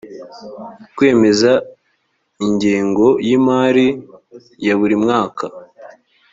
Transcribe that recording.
kwemeza ingengo y imari ya buri mwaka